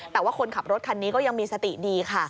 แต่ว่าคนขับรถคันนี้ก็ยังมีสติดีค่ะ